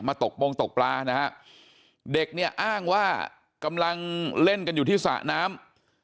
ตกโปรงตกปลานะฮะเด็กเนี่ยอ้างว่ากำลังเล่นกันอยู่ที่สระน้ำ